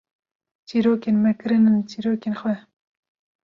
çîrokên me kirinin çîrokên xwe